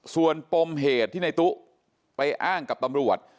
ส่วนปมเหตุที่ในตู้ไปอ้างกับตำรวจ